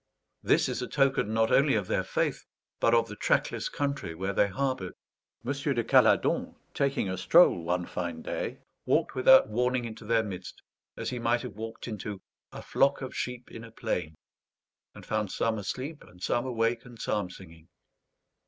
This is a token, not only of their faith, but of the trackless country where they harboured. M. de Caladon, taking a stroll one fine day, walked without warning into their midst, as he might have walked into "a flock of sheep in a plain," and found some asleep and some awake and psalm singing.